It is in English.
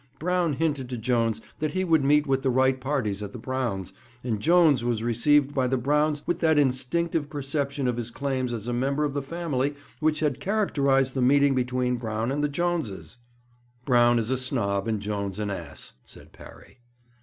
Brown hinted to Jones that he would meet with the right parties at the Browns', and Jones was received by the Browns with that instinctive perception of his claims as a member of the family which had characterized the meeting between Brown and the Jones's.' 'Brown is a snob and Jones an ass,' said Parry.